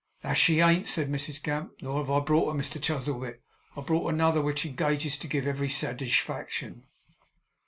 'That she ain't!' said Mrs Gamp; 'nor have I brought her, Mr Chuzzlewit. I've brought another, which engages to give every satigefaction.